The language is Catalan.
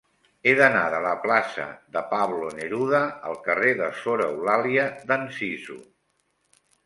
He d'anar de la plaça de Pablo Neruda al carrer de Sor Eulàlia d'Anzizu.